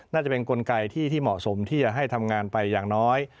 น่าจะเป็นกลไกที่เหมาะสมที่จะให้ทำงานไปอย่างน้อย